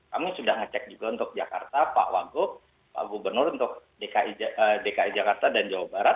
kami sudah ngecek juga untuk jakarta pak wagub pak gubernur untuk dki jakarta dan jawa barat